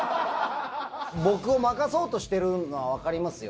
僕を負かそうとしてるのは分かりますよ。